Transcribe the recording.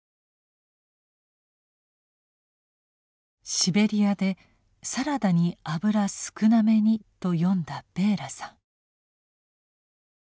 シベリアで「サラダに油少なめに」と詠んだベーラさん。